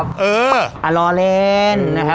ดีเจนุ้ยสุดจีลา